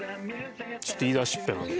ちょっと言いだしっぺなので。